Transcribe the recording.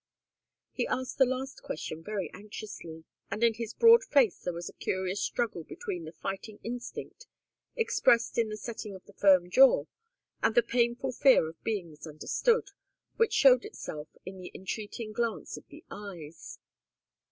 He asked the last question very anxiously, and in his broad face there was a curious struggle between the fighting instinct, expressed in the setting of the firm jaw, and the painful fear of being misunderstood, which showed itself in the entreating glance of the eyes.